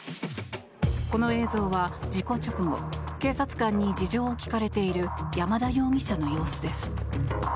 この映像は事故直後警察官に事情を聴かれている山田容疑者の様子です。